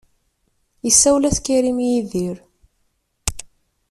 Isawel-as Karim i Yidir.